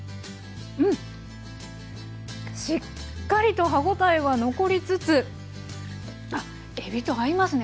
うんしっかりと歯ごたえは残りつつあっえびと合いますね。